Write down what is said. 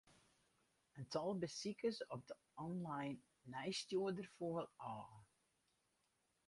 It tal besikers op de online nijsstjoerder foel ôf.